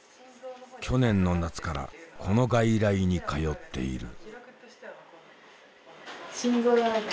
去年の夏からこの外来に通っている。